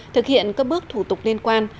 thực hiện các bước thủ tục liên quan